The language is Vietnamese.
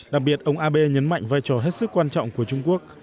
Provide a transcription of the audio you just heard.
đặc biệt ông abe nhấn mạnh vai trò hết sức quan trọng của trung quốc